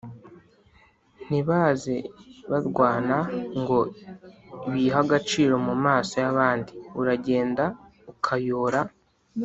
Ntibaze barwanaNgo bihe agaciroMu maso y’abandi, Uragenda ukayora